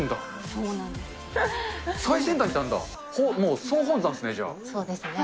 そうですね。